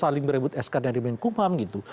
saling berebut sk dari menkumham gitu